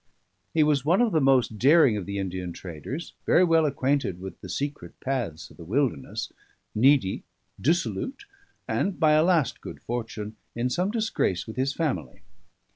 He was one of the most daring of the Indian traders, very well acquainted with the secret paths of the wilderness, needy, dissolute, and, by a last good fortune, in some disgrace with his family.